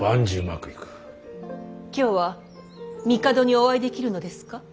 今日は帝にお会いできるのですか。